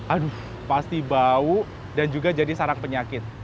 aduh pasti bau dan juga jadi sarang penyakit